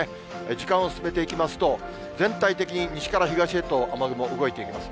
時間を進めていきますと、全体的に、西から東へと雨雲、動いていきます。